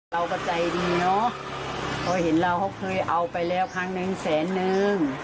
เราก็ใจดีเนอะเพราะเห็นเราเขาเคยเอาไปแล้วครั้งนึงแสนนึง